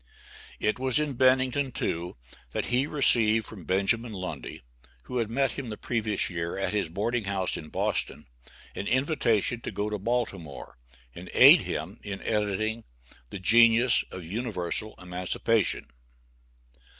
It was in Bennington, too, that he received from Benjamin Lundy, who had met him the previous year at his boarding house in Boston, an invitation to go to Baltimore, and aid him in editing the "Genius of Universal Emancipation."